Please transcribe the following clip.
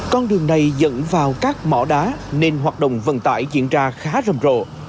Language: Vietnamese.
con đường này dẫn vào các mỏ đá nên hoạt động vận tải diễn ra khá rầm rộ